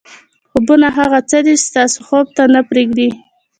خوبونه هغه څه دي چې تاسو خوب ته نه پرېږدي.